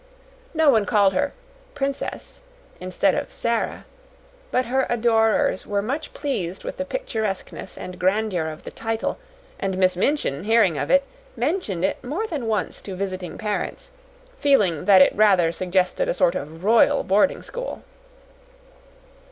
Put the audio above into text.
No one called her "princess" instead of "Sara," but her adorers were much pleased with the picturesqueness and grandeur of the title, and Miss Minchin, hearing of it, mentioned it more than once to visiting parents, feeling that it rather suggested a sort of royal boarding school.